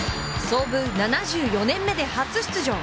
創部７４年目で初出場！